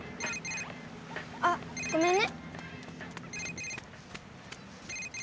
あっごめんね。